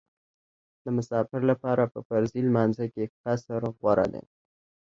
د مسافر لپاره په فرضي لمانځه کې قصر غوره دی